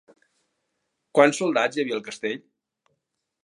Quants soldats hi havia al castell?